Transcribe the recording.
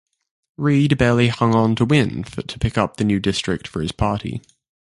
Reid barely hung onto win to pick up the new district for his party.